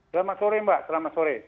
selamat sore mbak selamat sore